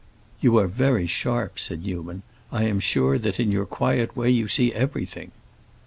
"You are very sharp," said Newman. "I am sure that in your quiet way you see everything."